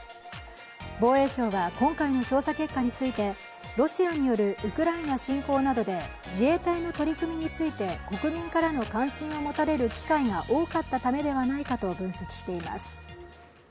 防衛省は今回の調査結果についてロシアによるウクライナ侵攻などで自衛隊の取り組みについて国民からの関心を持たれる機会が多かったためではないかと分析しています。